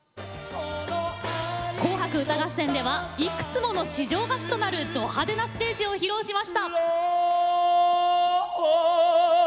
「紅白歌合戦」ではいくつもの史上初となるド派手なステージを披露しました。